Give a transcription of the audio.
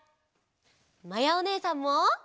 まやおねえさんも。